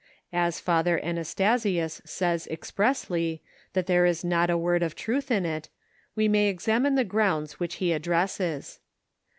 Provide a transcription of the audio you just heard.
As Father Anastasius says expressly, that there is not a word of truth in it^ we moy examine the grounds which he adduces.